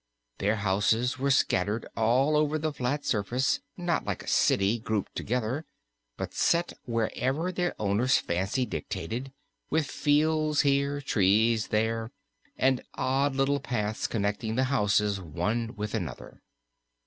Their houses were scattered all over the flat surface; not like a city, grouped together, but set wherever their owners' fancy dictated, with fields here, trees there, and odd little paths connecting the houses one with another.